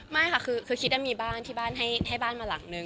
ไม่ค่ะคือคิดว่ามีบ้านที่บ้านให้บ้านมาหลังนึง